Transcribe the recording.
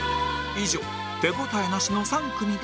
以上手応えなしの３組でした